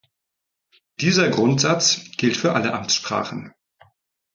Dieser Grundsatz gilt für alle Amtssprachen.